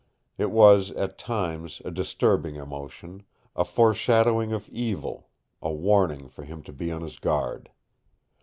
It was, at times, a disturbing emotion, a foreshadowing of evil, a warning for him to be on his guard.